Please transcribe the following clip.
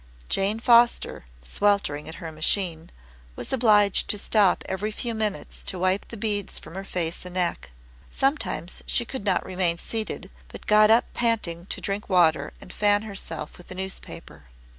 Jane Foster, sweltering at her machine, was obliged to stop every few minutes to wipe the beads from her face and neck. Sometimes she could not remain seated, but got up panting to drink water and fan herself with a newspaper.